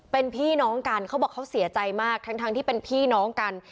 เป็นพี่น้องกันเขาบอกเขาเสียใจมากทั้งที่เป็นพี่น้องกัน